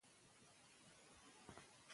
ولې خلک ذهني فشار لري؟